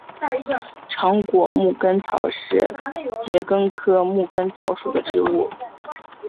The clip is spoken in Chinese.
长果牧根草是桔梗科牧根草属的植物。